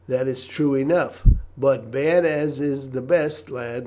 "That is true enough, but bad is the best, lad.